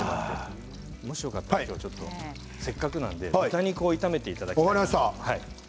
もしよかったらせっかくなので今日は豚肉を炒めていただきたいんです。